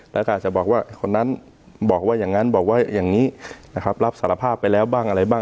แล้วก็อาจจะบอกว่าคนนั้นบอกว่าอย่างนั้นบอกว่าอย่างนี้นะครับรับสารภาพไปแล้วบ้างอะไรบ้าง